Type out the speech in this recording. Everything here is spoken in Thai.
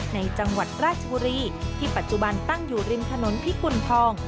ในจังหวัดราชบุรีที่ปัจจุบันตั้งอยู่ริมถนนพิกุณฑอง